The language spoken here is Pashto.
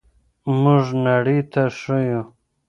موږ نړۍ ته ښیو.